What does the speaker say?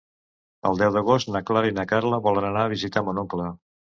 El deu d'agost na Clara i na Carla volen anar a visitar mon oncle.